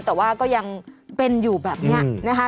แต่ว่าก็ยังเป็นอยู่แบบนี้นะคะ